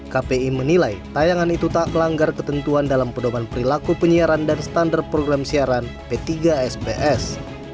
kpi menilai tayangan itu tak melanggar ketentuan dalam pedoman perilaku penyiaran dan standar program siaran p tiga sps